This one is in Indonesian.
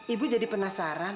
ibu jadi penasaran